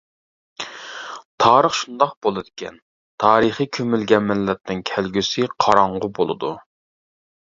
تارىخ شۇنداق بولىدىكەن، تارىخى كۆمۈلگەن مىللەتنىڭ كەلگۈسى قاراڭغۇ بولىدۇ.